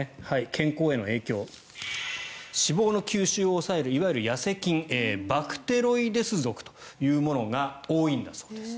健康への影響脂肪の吸収を抑えるいわゆる痩せ菌バクテロイデス属というものが多いんだそうです。